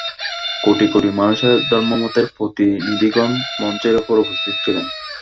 কোটি কোটি মানুষের ধর্মমতের প্রতিনিধিগণ মঞ্চের উপর উপস্থিত ছিলেন।